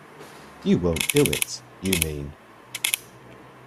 You won't do it, you mean?